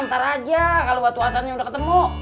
ntar aja kalo batu asannya udah ketemu